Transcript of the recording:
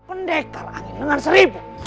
pendekar angin dengan seribu